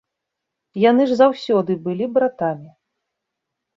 Яны ж заўсёды былі братамі.